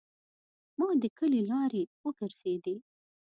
ما د کلي لارې وګرځیدې.